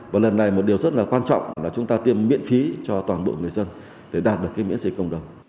và lần này một điều rất là quan trọng là chúng ta tiêm miễn phí cho toàn bộ người dân để đạt được cái miễn dịch cộng đồng